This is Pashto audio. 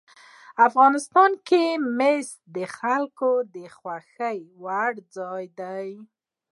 افغانستان کې مس د خلکو د خوښې وړ ځای دی.